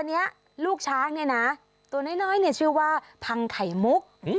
และลูกช้างเนี่ยนะตัวน้อยชื่อว่าพังไข่มุก